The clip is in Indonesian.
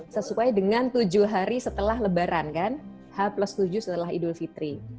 sesuai dengan tujuh hari setelah lebaran kan h tujuh setelah idul fitri